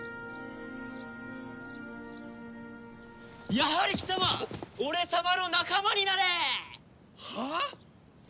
やはり貴様俺様の仲間になれ！はあ！？